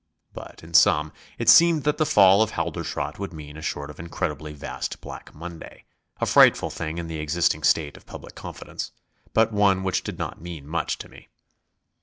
But, in sum, it seemed that the fall of Halderschrodt would mean a sort of incredibly vast Black Monday a frightful thing in the existing state of public confidence, but one which did not mean much to me.